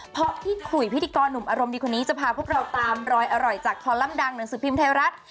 เพราะพี่ขุยพิธีกรหนุ่มอารมณ์ดีคนนี้จะพาพวกเราตามรอยอร่อยจากคอลัมปดังหนังสือพิมพ์ไทยรัฐ